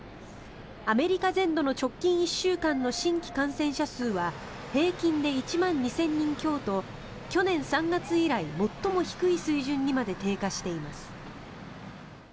アメリカ全土の直近１週間の新規感染者数は平均で１万２０００人強と去年３月以来最も低い水準にまで低下しています。